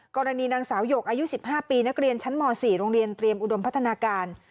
กรณีนางสาวหยกอายุ๑๕ปีนักเรียนชั้นม๔โรงเรียนเตรียมอุดมพัฒนาการ